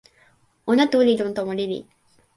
ona tu li lon tomo lili.